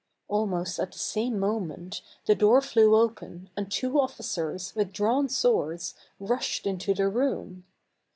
Almost at the same moment, the door flew open, and two officers, with drawn swords, rushed into the room.